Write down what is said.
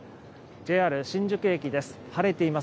ＪＲ新宿駅です。